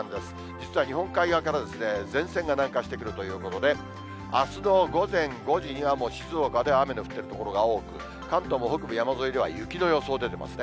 実は日本海側から前線が南下してくるということで、あすの午前５時には、もう静岡で雨の降っている所が多く、関東も北部山沿いでは雪の予想出てますね。